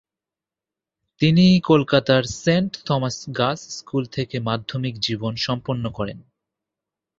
তিনি কলকাতার Saint Thomas Girls School থেকে মাধ্যমিক জীবন সম্পন্ন করেন।